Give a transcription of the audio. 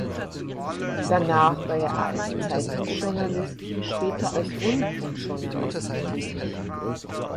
Danach war er als Zeitungsjournalist, später als Rundfunkjournalist tätig.